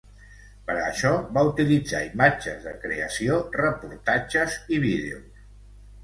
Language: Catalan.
Per a això, va utilitzar imatges de creació, reportatges i vídeos.